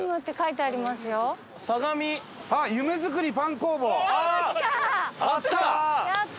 あった！